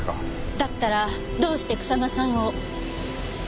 だったらどうして草間さんを。